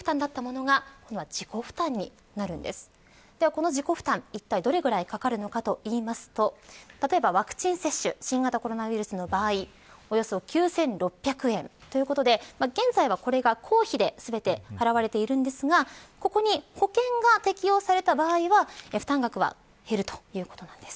この自己負担、いったいどれぐらいかかるのかと言いますと例えば、ワクチン接種新型コロナウイルスの場合およそ９６００円ということで現在はこれが、公費で全て払われているんですがここに保険が適用された場合は負担額は減るということなんです。